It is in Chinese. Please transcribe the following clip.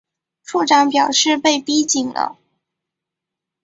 处长表示被逼紧了